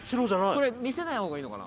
これ見せない方がいいのかな？